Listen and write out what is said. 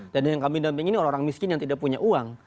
dan yang kami dampingi ini orang miskin yang tidak punya uang